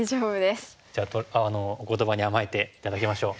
じゃあお言葉に甘えて頂きましょう。